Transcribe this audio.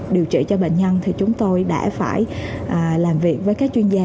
điều trị cho bệnh nhân thì chúng tôi đã phải làm việc với các chuyên gia